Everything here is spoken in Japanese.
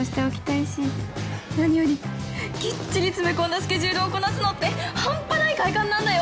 何よりぎっちり詰め込んだスケジュールをこなすのってハンパない快感なんだよ！